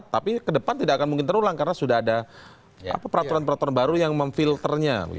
tapi ke depan tidak akan mungkin terulang karena sudah ada peraturan peraturan baru yang memfilternya